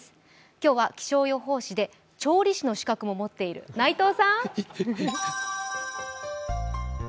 今日は気象予報士で調理師の資格も持っている内藤さん。